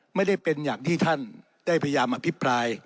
ไม่ได้เป็นอย่างที่ท่านได้พยายามอภิปราย